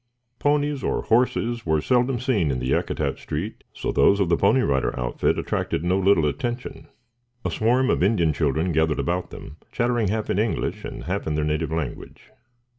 Ponies or horses were seldom seen in the Yakutat street, so those of the Pony Rider outfit attracted no little attention. A swarm of Indian children gathered about them, chattering half in English and half in their native language.